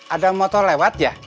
ada motor lewat ya